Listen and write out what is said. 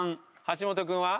橋本君は？